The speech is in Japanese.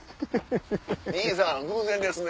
「にいさん偶然ですね」。